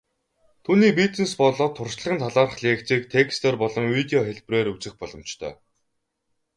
Түүний бизнес болоод туршлагын талаарх лекцийг текстээр болон видео хэлбэрээр үзэх боломжтой.